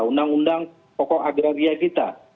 undang undang pokok agraria kita